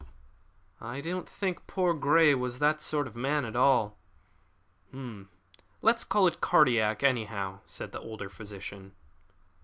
"I don't think poor Grey was that sort of a man at all." "Let us call it cardiac, anyhow," said the older physician.